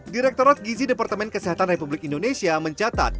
direktorat gizi departemen kesehatan republik indonesia mencatat